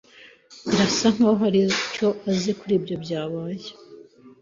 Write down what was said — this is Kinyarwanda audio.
Birasa nkaho hari icyo azi kuri ibyo byabaye.